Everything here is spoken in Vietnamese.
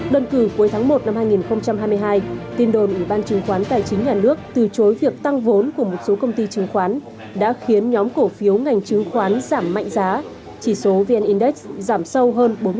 đơn cử cuối tháng một năm hai nghìn hai mươi hai tin đồn ủy ban chứng khoán tài chính nhà nước từ chối việc tăng vốn của một số công ty chứng khoán đã khiến nhóm cổ phiếu ngành chứng khoán giảm mạnh giá chỉ số vn index giảm sâu hơn bốn mươi